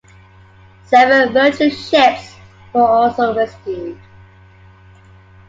Seven merchant ships were also rescued.